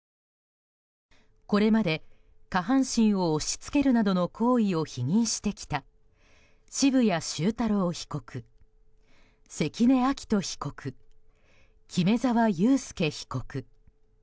これまで下半身を押し付けるなどの行為を否認してきた渋谷修太郎被告、関根亮斗被告木目沢佑輔被告。